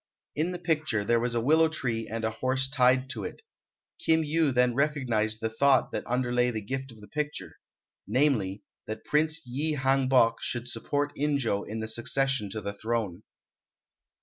In the picture there was a willow tree and a horse tied to it. Kim Yu then recognized the thought that underlay the gift of the picture, namely, that Prince Yi Hang bok should support In jo in the succession to the throne.